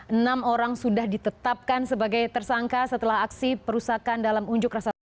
enam orang sudah ditetapkan sebagai tersangka setelah aksi perusahaan dalam unjuk rasa